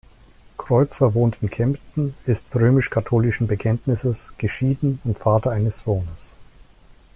Kreuzer wohnt in Kempten, ist römisch-katholischen Bekenntnisses, geschieden und Vater eines Sohnes.